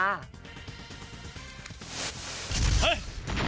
เฮ้ย